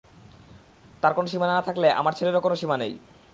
তার কোনো সীমা না থাকলে আমার ছেলেরও কোনো সীমা নেই!